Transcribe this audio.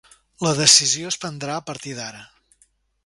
La decisió es prendrà a partir d’ara.